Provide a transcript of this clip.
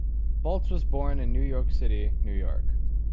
Baltz was born in New York City, New York.